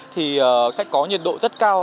thì sẽ có nhiệt độ rất cao